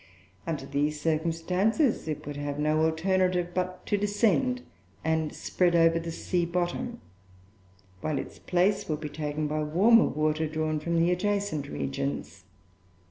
Under these circumstances, it would have no alternative but to descend and spread over the sea bottom, while its place would be taken by warmer water drawn from the adjacent regions.